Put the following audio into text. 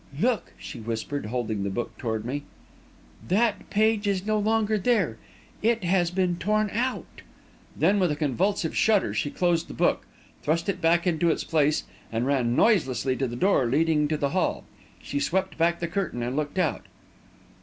"Look!" she whispered, holding the book toward me, "that page is no longer there! It has been torn out!" Then, with a convulsive shudder, she closed the book, thrust it back into its place, and ran noiselessly to the door leading to the hall. She swept back the curtain and looked out.